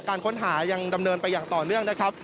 การค้นหายังดำเนินไปอย่างต่อเนื่องนะครับ